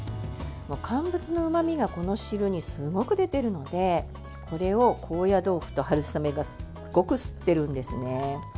乾物のうまみがこの汁にすごく出ているのでこれを高野豆腐と春雨がすごく吸ってるんですね。